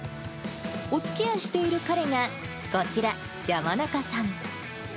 おつきあいしている彼が、こちら、山中さん。